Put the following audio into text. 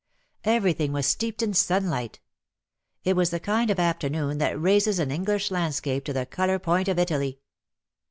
Everything was steeped in sunlight. It was the kind of afternoon that raises an English landscape to the colour point of Italy.